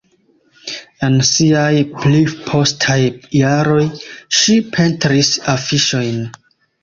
En siaj pli postaj jaroj, ŝi pentris afiŝojn.